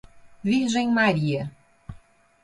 Virgem Maria